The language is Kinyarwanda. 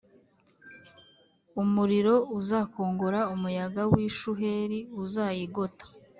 Umuriro uzakongora umuyaga w ishuheri uzayigota